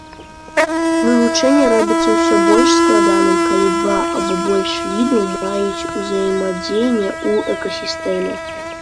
Вывучэнне робіцца ўсё больш складаным, калі два або больш відаў маюць узаемадзеянне ў экасістэме.